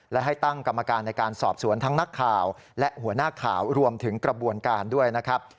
และให้ตั้งกรรมการในการสอบสวนทั้งนักข่าวและหัวหน้าข่าวรวมถึงกระบวนการด้วยนะครับ